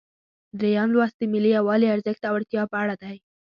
دریم لوست د ملي یووالي ارزښت او اړتیا په اړه دی.